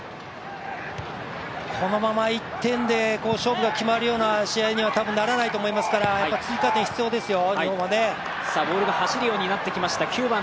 このまま１点で勝負が決まるような試合には多分ならないと思いますから追加点は日本、必要ですよ。